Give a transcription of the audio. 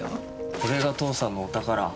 これが父さんのお宝。